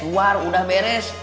luar udah beres